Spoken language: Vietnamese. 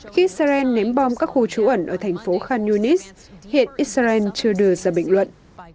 khi israel ném bom các khu trú ẩn ở thành phố khan yunis hiện israel chưa đưa ra bình luận